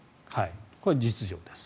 これが実情です。